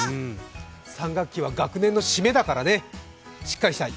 ３学期は学年の締めだからしっかりしたい。